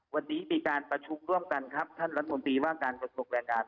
วันนี้มีการประชุมร่วมกันครับท่านรัฐมนตรีว่าการกระทรวงแรงงาน